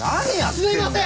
すいません！